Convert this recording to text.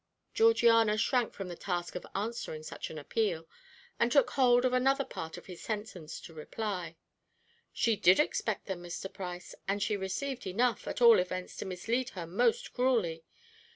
Georgiana shrank from the task of answering such an appeal, and took hold of another part of his sentence to reply to. "She did expect them, Mr. Price, and she received enough, at all events, to mislead her most cruelly.